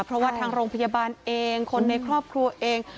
เพราะว่าทางโรงพยาบาลเองคนในครอบครัวเอง